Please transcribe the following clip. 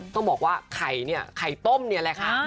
ต้องบอกว่าไข่เนี่ยไข่ต้มเนี่ยแหละค่ะ